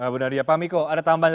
bu nadia pamiko ada tambahan lagi